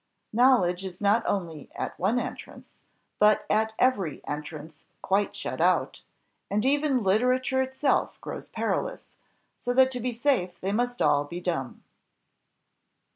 Knowledge is not only at one entrance, but at every entrance quite shut out, and even literature itself grows perilous, so that to be safe they must all be dumb.